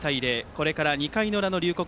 これから２回の裏の龍谷